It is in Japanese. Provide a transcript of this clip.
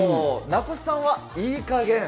名越さんはいいかげん。